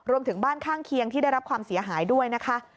รวมถึงบ้านข้างเคียงที่ได้รับความเสียหายด้วยนะคะ